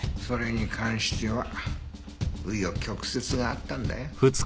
それに関しては紆余曲折があったんだよ。